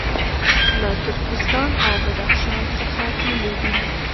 له ترکستان او بدخشان څخه تللي دي.